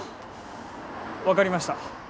分かりました。